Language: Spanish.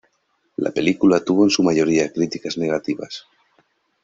La película tuvo en su mayoría críticas negativas.